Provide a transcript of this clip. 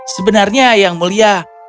sebenarnya yang mulia